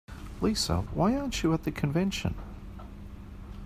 Lisa, why aren't you at the convention?